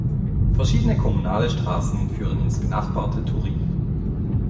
Verschiedene kommunale Straßen führen ins benachbarte Turin.